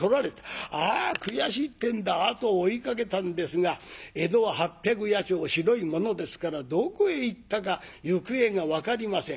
「あ悔しい」ってんで後を追いかけたんですが江戸は八百八町広いものですからどこへ行ったか行方が分かりません。